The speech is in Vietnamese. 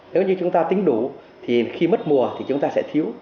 nếu như chúng ta tính đủ thì khi mất mùa thì chúng ta sẽ thiếu